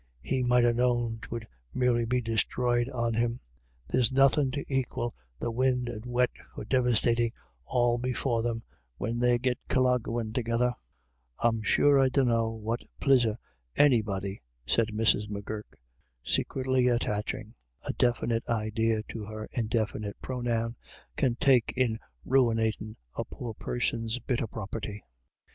He might ha' known 'twould merely be disthroyed on him. There's nothin* to aquil the win' and the wet for devastatin' all before them, when they get colloguin' together." 96 IRISH IDYLLS. u I'm sure I dunno what plisure Anybody," said Mrs. M'Gurk, secretly attaching a definite idea to her indefinite pronoun, "can take in ruinatin' a poor person's bit o' property.